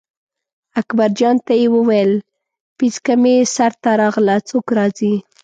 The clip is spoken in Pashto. اکبرجان ته یې وویل پیڅکه مې سر ته راغله څوک راځي.